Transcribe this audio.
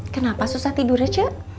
kenapa susah tidur ya cak